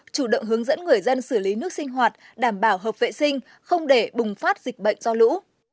chủ động hướng dẫn người dân xử lý nước sinh hoạt đảm bảo hợp vệ sinh không để bùng phát dịch bệnh do lũ